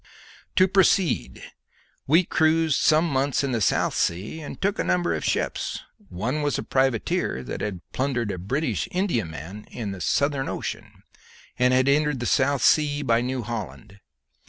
To proceed: we cruised some months in the South Sea and took a number of ships. One was a privateer that had plundered a British Indiaman in the Southern Ocean, and had entered the South Sea by New Holland.